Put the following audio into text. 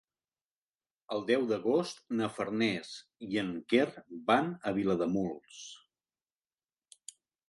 El deu d'agost na Farners i en Quer van a Vilademuls.